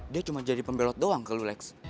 dia cuma jadi pembelot doang ke lo lex